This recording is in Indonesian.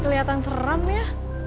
kelihatan seram ya